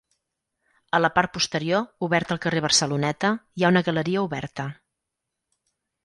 A la part posterior, oberta al carrer Barceloneta hi ha una galeria oberta.